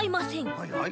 はいはい。